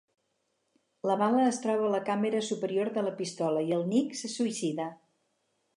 La bala es troba a la càmera superior de la pistola i el Nick se suïcida.